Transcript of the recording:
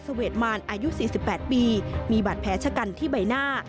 สเวทมารอายุสี่สิบแปดปีมีบัตรแพ้ชะกันที่ใบหน้า